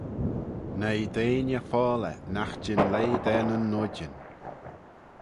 Noi deiney foalley nagh jean leih da nyn noidyn.